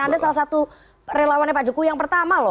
anda salah satu relawannya pak jokowi yang pertama loh